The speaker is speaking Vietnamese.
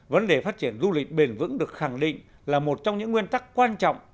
vấn đề phát triển du lịch bền vững được khẳng định là một trong những nguyên tắc quan trọng